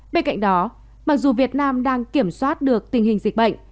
bên cạnh đó mặc dù việt nam đang kiểm soát được tình hình dịch bệnh